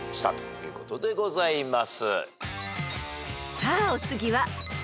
［さあお次は］